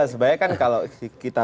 sebenarnya kan kalau kita